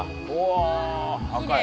赤い。